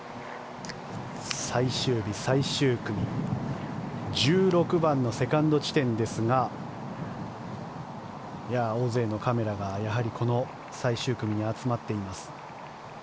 最終日、最終組１６番のセカンド地点ですが大勢のカメラが、やはりこの最終組に集まっています。